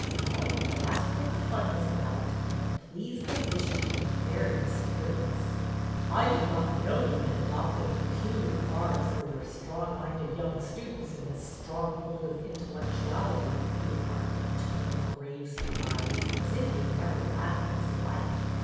Well, I asked what the fun was about, and it pleased the Bishop to be very mysterious. "' I did not know that you had adopted a peculiar garb for your strong minded young students in this Stronghold of Intellectu ality,' he remarked in a tone of grave sur prise, as if he had never laughed in his life.